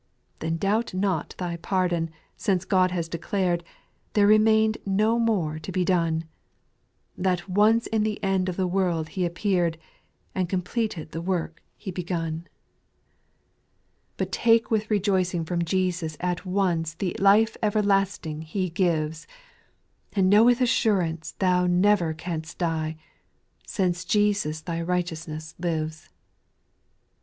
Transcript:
6. Then doubt not thy pardon, since God has declared, There remaineth no more to be done, That once in the end of the world He ap peared, And completed tVie woxV \1^ Xi^^xjA^. SPIRITUAL SONGS, 886 7. But take with rejoicing from Jesus at once The life everlasting He gives, And know with assurance thou never canst die, Since Jesus thy righteousness lives.